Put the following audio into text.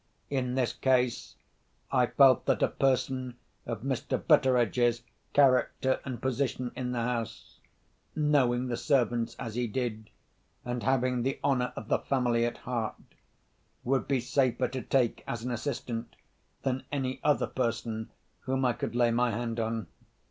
In this case, I felt that a person of Mr. Betteredge's character and position in the house—knowing the servants as he did, and having the honour of the family at heart—would be safer to take as an assistant than any other person whom I could lay my hand on.